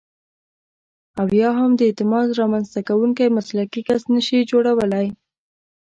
او یا هم د اعتماد رامنځته کوونکی مسلکي کس نشئ جوړولای.